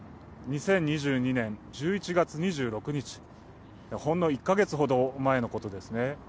２０２２年１１月２６日、ほんの１か月ほど前のことですね。